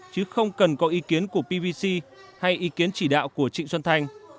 chứ không cần có ý kiến của pvc hay ý kiến chỉ đạo của trịnh xuân thanh